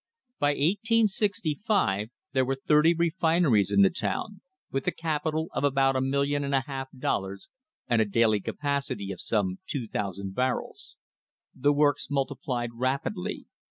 By 1865 there were thirty refineries in the town, with a capital of about a million and a half dollars and a daily capacity of some 2,000 barrels. The works multiplied rapidly.